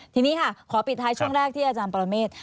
ทีนี้ค่ะขอปิดท้ายช่วงแรกที่อาจารย์ปรเมฆ